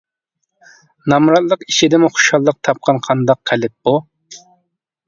نامراتلىق ئىچىدىمۇ خۇشاللىق تاپقان قانداق قەلب بۇ؟ !